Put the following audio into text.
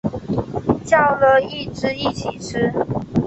叫了一只一起吃